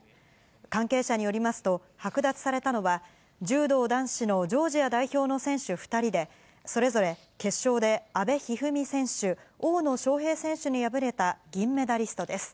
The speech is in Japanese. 関係者によりますと、剥奪されたのは、柔道男子のジョージア代表の選手２人で、それぞれ決勝で、阿部一二三選手、大野将平選手に敗れた銀メダリストです。